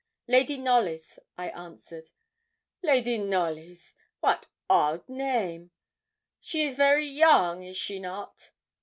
'Lady Knollys,' I answered. 'Lady Knollys wat odd name! She is very young is she not?'